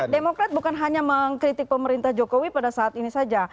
demokrat bukan hanya mengkritik pemerintah jokowi pada saat ini saja